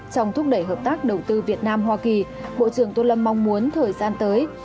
trong thúc đẩy hợp tác đầu tư việt nam hoa kỳ bộ trưởng tô lâm mong muốn thời gian tới